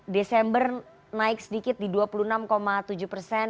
desember naik sedikit di dua puluh enam tujuh persen